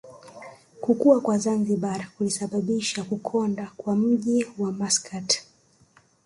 Kukua kwa Zanzibar kulisababisha kukonda kwa mji wa Maskat